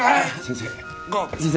先生。